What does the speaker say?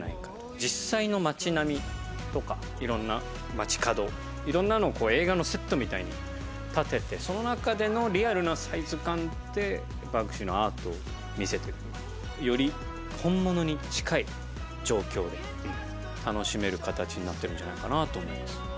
実際の街並みとか、いろんな街角を映画のセットみたいにたてて、その中でのリアルなサイズ感でバンクシーのアートを見せていく、より本物に近い状況で楽しめる形になっているんじゃないかなと思います。